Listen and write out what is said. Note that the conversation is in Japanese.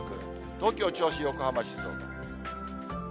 東京、銚子、横浜、静岡。